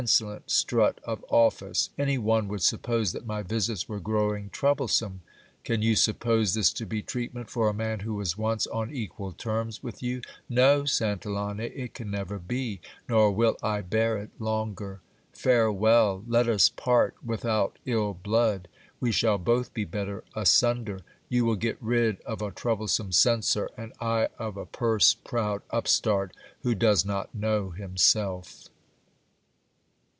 solent strut of office. Any one would suppose that my visits were growing j troublesome ! Can you suppose this to be treatment for a man who was once : on equal terms with you ? No, Santillane, it can never be, nor will I bear it I longer. Farewell ! Let us part without ill blood. We shall both be better j asunder ; you will get rid of a troublesome censor, and I of a purse proud upstart who does not know himself.